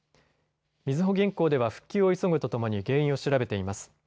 みずほ銀行では復旧を急ぐとともに原因を調べています。